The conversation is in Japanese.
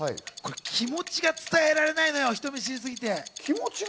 気持ちが伝えられないのよ、人見知りすぎて。